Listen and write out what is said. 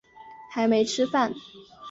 还没吃饭